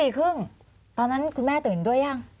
ตี๔๓๐นตอนนั้นคุณแม่ตื่นด้วยหรือยัง